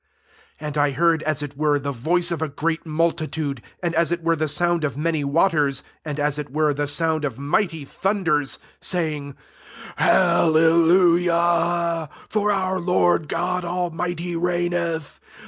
6 And I heard as it were the voice of a great multitude, and as it were the sound of many waters, and as it were the sound of mighty thunders, say ing, ^' Hallelujah : for our Lord God Almighty reigneth.